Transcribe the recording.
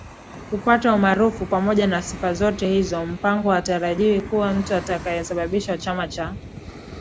kupata umaarufuPamoja na sifa zote hizo Mpango hatarajiwi kuwa mtu atakayesababisha Chama cha